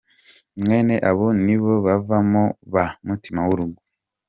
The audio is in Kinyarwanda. Mwene abo nibo bavamo ba mutima w’urugo.